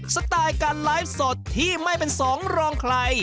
สไตล์การไลฟ์สดที่ไม่เป็นสองรองใคร